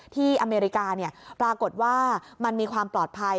อเมริกาปรากฏว่ามันมีความปลอดภัย